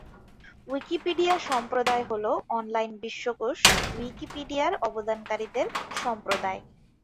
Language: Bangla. উইকিপিডিয়া সম্প্রদায় হল অনলাইন বিশ্বকোষ উইকিপিডিয়ার অবদানকারীদের সম্প্রদায়।